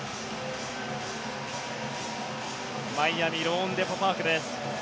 マイアミローンデポ・パークです。